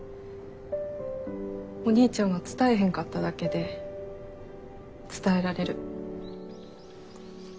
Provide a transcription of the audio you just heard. お兄ちゃんは伝えへんかっただけで伝えられる。